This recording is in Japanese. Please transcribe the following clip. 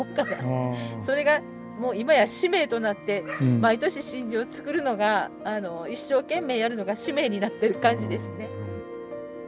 それがもう今や使命となって毎年真珠を作るのが一生懸命やるのが使命になってる感じですね。